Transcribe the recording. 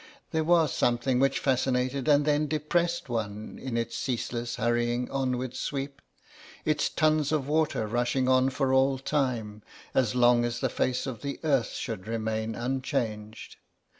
There was something which fascinated and then depressed one in its ceaseless hurrying onward sweep, its tons of water rushing on for all time, as long as the face of the earth should remain unchanged.